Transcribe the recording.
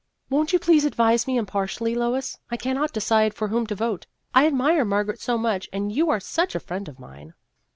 " Won't you please advise me impartially, Lois ? I cannot decide for whom to vote ; I ad mire Margaret so much, and you are such a friend of mine."